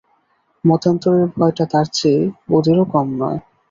মতান্তরের ভয়টা তার চেয়ে ওঁদেরও কম নয়।